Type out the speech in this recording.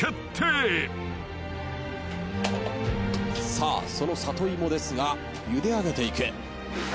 さあその里芋ですがゆで上げていく。